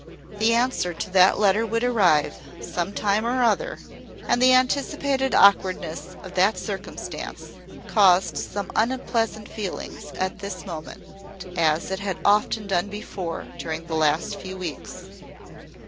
The answer to that letter would arrive, some time or other, and the anticipated awkwardness of that circumstance caused some unpleasant feelings at this moment, as it had often done before, during the last few weeks.